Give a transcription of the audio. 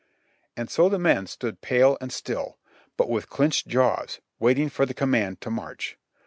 And so the men stood pale and still, but with clenched jaws, waiting for the command to march.